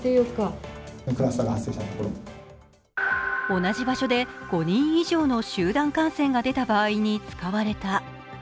同じ場所で５人以上の集団感染が出た場合に使われた。